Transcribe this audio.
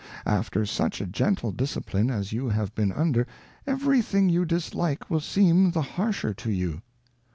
After such a gentle Discipline as you have been under, every thing you dislike will seem the harsher to you.